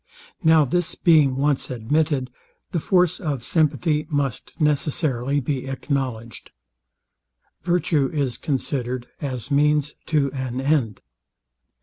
Now this being once admitted, the force of sympathy must necessarily be acknowledged. Virtue is considered as means to an end.